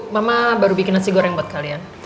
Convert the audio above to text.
mama baru bikin nasi goreng buat kalian